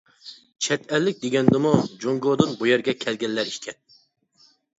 چەت ئەللىك دېگەندىمۇ جۇڭگودىن بۇ يەرگە كەلگەنلەر ئىكەن.